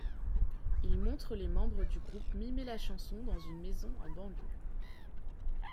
Il montre les membres du groupe mimer la chanson dans une maison en banlieue.